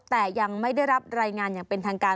แต่ยังไม่ได้รับรายงานอย่างเป็นทางการ